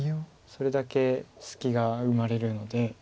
それだけ隙が生まれるので。